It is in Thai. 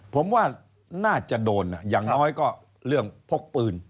ผมว่าน่าจะโดนอย่างน้อยก็เรื่องพกปืน